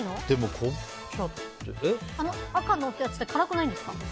赤のやつって辛くないですか。